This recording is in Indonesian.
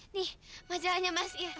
nih majalahnya mas